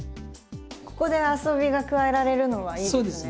ここで遊びが加えられるのはいいですね。